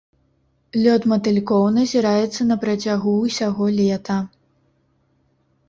Лёт матылькоў назіраецца на працягу ўсяго лета.